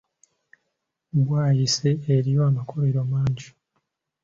Bwayiise eriyo amakolero mangi.